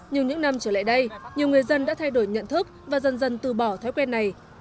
nhưng những năm trở lại đây nhiều người dân đã thay đổi nhận thức và dần dần từ bỏ thói quen này